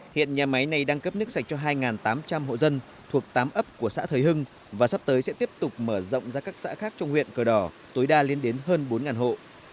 hiện nhà máy này đang cấp nước sạch cho hai tám trăm linh hộ dân thuộc tám ấp của xã thới hưng và sắp tới sẽ tiếp tục mở rộng ra các xã khác trong huyện cờ đỏ tối đa lên đến hơn bốn hộ